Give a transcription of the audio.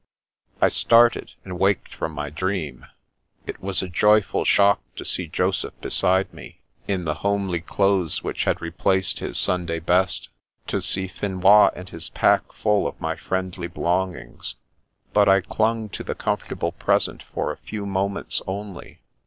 I started, and waked from my dream. It was a joyful shock to see Joseph beside me, in the homely clothes which had replaced his " Sunday best "; to see Finois and his pack full of my friendly belong ings. But I clung to the comfortable present for a few moments only.